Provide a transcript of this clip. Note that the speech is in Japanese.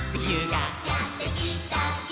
「やってきた！」